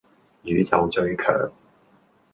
宇宙最強